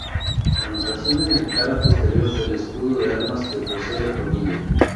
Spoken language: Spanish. Anotación en el cara posterior del escudo de armas que posee la familia.